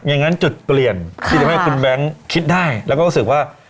อย่างนั้นจุดเปลี่ยนที่ทำให้คุณแบงค์คิดได้แล้วก็รู้สึกว่า